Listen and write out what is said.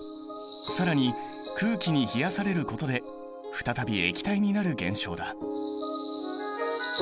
更に空気に冷やされることで再び液体になる現象だ。